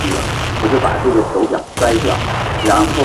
外交代表机构通常设在另一国的首都。